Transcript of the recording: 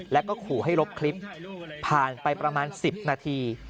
แล้วก็ขู่ให้ลบคลิปผ่านไปประมาณ๑๐นาที